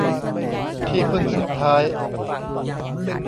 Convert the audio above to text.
ที่พึ่งสุดท้าย